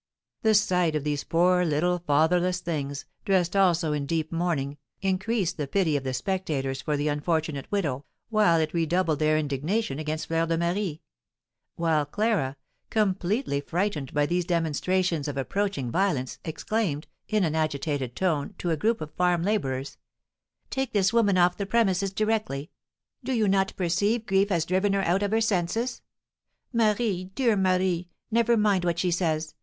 The sight of these poor little fatherless things, dressed also in deep mourning, increased the pity of the spectators for the unfortunate widow, while it redoubled their indignation against Fleur de Marie; while Clara, completely frightened by these demonstrations of approaching violence, exclaimed, in an agitated tone, to a group of farm labourers: "Take this woman off the premises directly! Do you not perceive grief has driven her out of her senses? Marie! dear Marie! never mind what she says.